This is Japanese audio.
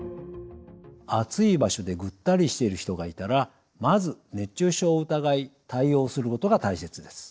暑い場所でぐったりしている人がいたらまず熱中症を疑い対応することが大切です。